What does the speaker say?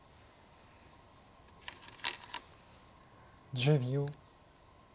１０秒。